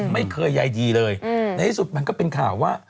ไม่เคยใยดีเลยในที่สุดมันก็เป็นข่าวว่า